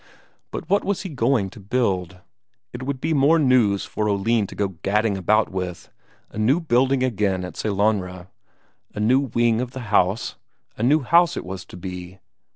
But what was he going to build? It would be more news for Oline to go gadding about with a new building again at Sellanraa. A new wing of the house a new house it was to be.